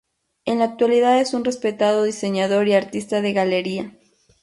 En la actualidad es un respetado diseñador y artista de galería.